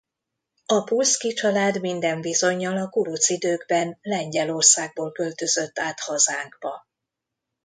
A Pulszky család minden bizonnyal a kuruc időkben Lengyelországból költözött át hazánkba.